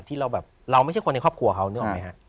ที่เราแบบเราไม่ใช่คนในครอบครัวเขานึกออกไหมฮะ